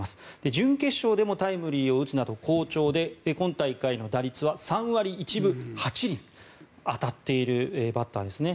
準決勝でもタイムリーを打つなど好調で今大会の打率は３割１分８厘当たっているバッターですね。